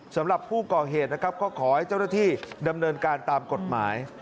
สำหรับผู้ก่อเหตุนะครับก็ขอให้เจ้าหน้าที่ดำเนินการตามกฎหมาย